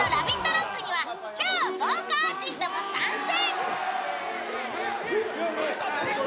ＲＯＣＫには超豪華アーティストも参戦。